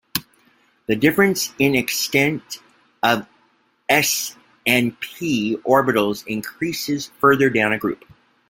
The difference in extent of s and p orbitals increases further down a group.